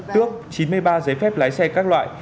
tước chín mươi ba giấy phép lái xe các loại